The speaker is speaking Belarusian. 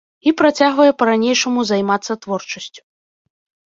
І працягвае па-ранейшаму займацца творчасцю.